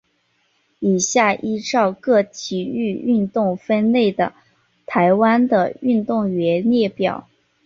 以下依照各体育运动分类的台湾的运动员列表。